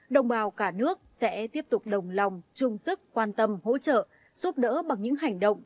đồng bào cả nước sẽ tiếp tục đồng lòng chung sức quan tâm hỗ trợ giúp đỡ bằng những hành động